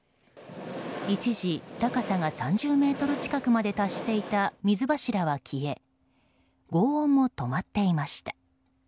一時高さが３０ｍ近くまで達していた水柱は消え轟音も止まっていました。